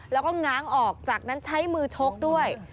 แล้วก็ง้างออกจากนั้นใช้มือชกด้วย